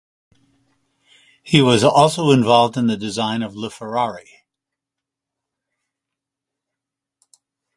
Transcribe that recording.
He was also involved in the design of LaFerrari.